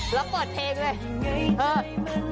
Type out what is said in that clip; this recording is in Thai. แล้วเปิดเพลงเลย